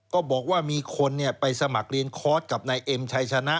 ก็บอกว่ามีคนไปสมัครเรียนคอร์สกับนายเอ็มชัยชนะ